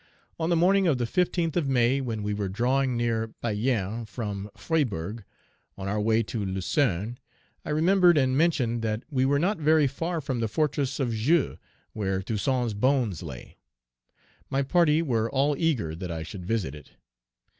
On the morning of the 15th of May, when we were drawing near Payerne from Freyburgh, on our way to Lausanne, I remembered and mentioned that we were not very far from the fortress of Joux, where Toussaint's bones lay. My party were all eager that I should visit it.